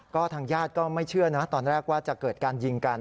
ก็ทางญาติก็ไม่เชื่อนะตอนแรกว่าจะเกิดการยิงกัน